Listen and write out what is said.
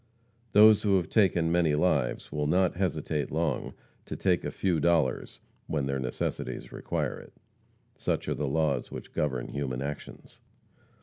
Those who have taken many lives will not hesitate long to take a few dollars when their necessities require it. Such are the laws which govern human actions.